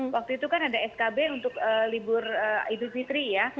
waktu itu kan ada skb untuk libur idul fitri ya